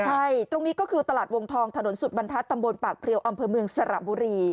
ใช่ตรงนี้ก็คือตลาดวงทองถนนสุดบรรทัศนตำบลปากเพลียวอำเภอเมืองสระบุรี